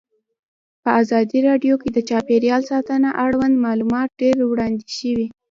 په ازادي راډیو کې د چاپیریال ساتنه اړوند معلومات ډېر وړاندې شوي.